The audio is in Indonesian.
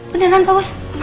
beneran pak bos masa